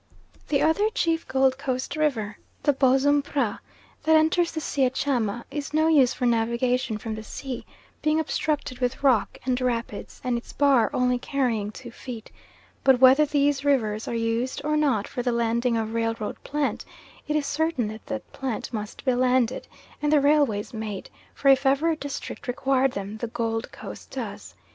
The other chief Gold Coast river, the Bosum Prah, that enters the sea at Chama, is no use for navigation from the sea, being obstructed with rock and rapids, and its bar only carrying two feet; but whether these rivers are used or not for the landing of railroad plant, it is certain that that plant must be landed, and the railways made, for if ever a district required them the Gold Coast does.